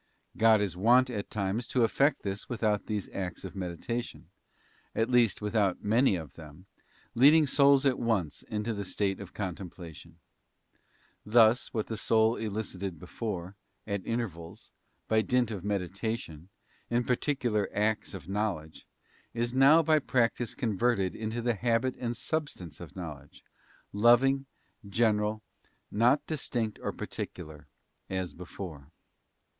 God is wont at times to effect this without these acts of meditation — at least without many of them — leading souls at once into the state of contemplation. Thus, what the soul elicited before, at intervals, by dint of medita tion, in particular acts of knowledge, is now by practice converted into the habit and substance of knowledge, loving, general, not distinct or particular, as before.